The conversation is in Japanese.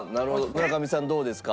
村上さんどうですか？